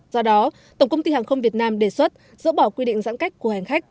do đó tổng công ty hàng không việt nam đề xuất dỡ bỏ quy định giãn cách của hành khách